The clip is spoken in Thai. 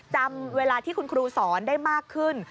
จำเวลาที่คุณครูสอนได้มากขึ้น